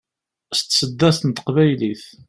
s tseddast n teqbaylit